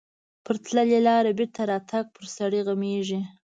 پر تللې لارې بېرته راتګ پر سړي غمیږي.